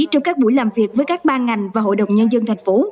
trong các buổi làm việc với các ban ngành và hội đồng nhân dân thành phố